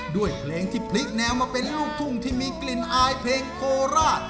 ด้วยเพลงที่พลิกแนวมาเป็นลูกทุ่งที่มีกลิ่นอายเพลงโคราช